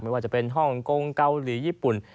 ว่าจะเป็นฮ่องกงเกาหลีญี่ปุ่น